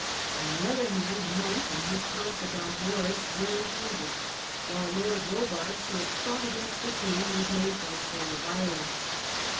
On the other hand Monk and his confidant Morrice were included, while Lord Robartes, who had fought against the king, was made Viceroy of Ireland.